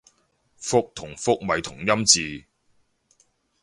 覆同復咪同音字